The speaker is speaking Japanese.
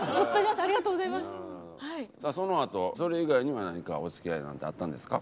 そのあとそれ以外には何かお付き合いなんてあったんですか。